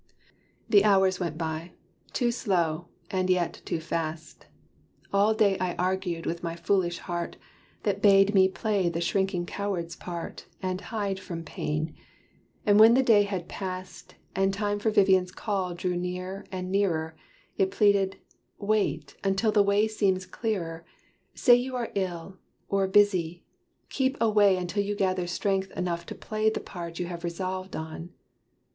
The hours went by, too slow, and yet too fast. All day I argued with my foolish heart That bade me play the shrinking coward's part And hide from pain. And when the day had past And time for Vivian's call drew near and nearer, It pleaded. "Wait, until the way seems clearer: Say you are ill or busy: keep away Until you gather strength enough to play The part you have resolved on."